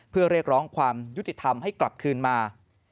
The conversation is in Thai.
เพื่อเรียกร้องความยุติธรรมให้กลับคืนมา